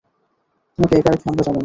তোমাকে একা রেখে আমরা যাব না।